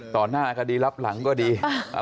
หน้าคดีรับหลังก็ดี